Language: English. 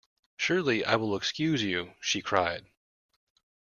Surely I will excuse you, she cried.